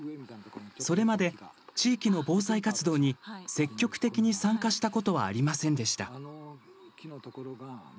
それまで、地域の防災活動に積極的に参加したことはありませんでした。